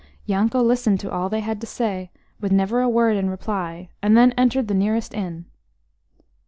Yanko listened to all they had to say with never a word in reply, and then entered the nearest inn.